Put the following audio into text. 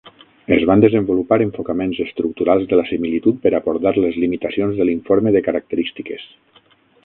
Es van desenvolupar enfocaments estructurals de la similitud per abordar les limitacions de l'informe de característiques.